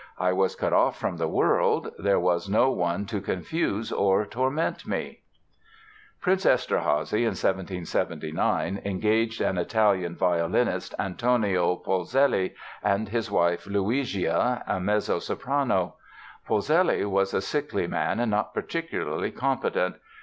I was cut off from the world; there was no one to confuse or torment me...." Prince Eszterházy, in 1779, engaged an Italian violinist, Antonio Polzelli, and his wife, Luigia, a mezzo soprano. Polzelli was a sickly man and not particularly competent.